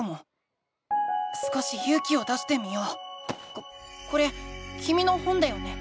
ここれきみの本だよね？